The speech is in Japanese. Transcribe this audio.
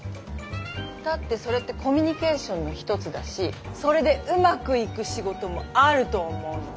だってそれってコミュニケーションの一つだしそれでうまくいく仕事もあると思うの。